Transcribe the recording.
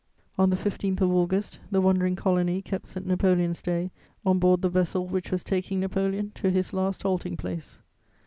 On the 15th of August, the wandering colony kept St. Napoleon's Day on board the vessel which was taking Napoleon to his last halting place.